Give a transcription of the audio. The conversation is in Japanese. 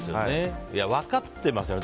分かってますよね。